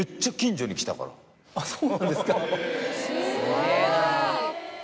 そうなんですか。